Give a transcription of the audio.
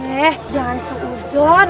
eh jangan seuzon